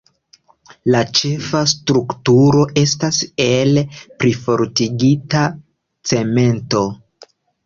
La ĉefa strukturo estas el plifortigita cemento.